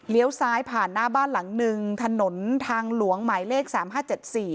ซ้ายผ่านหน้าบ้านหลังหนึ่งถนนทางหลวงหมายเลขสามห้าเจ็ดสี่